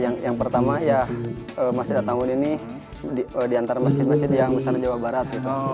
ya yang pertama ya masih tahun ini diantar mesin mesin yang bisa menjauh barat itu